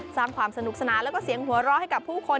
สร้างความสนุกสนานแล้วก็เสียงหัวเราะให้กับผู้คน